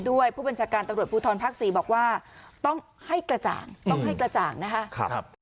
ด้วยผู้บัญชาการตำรวจภูทรภาค๔บอกว่าต้องให้กระจ่างต้องให้กระจ่างนะคะ